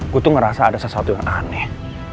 aku tuh ngerasa ada sesuatu yang aneh